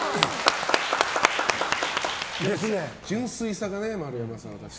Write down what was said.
純粋さがね、丸山さんは。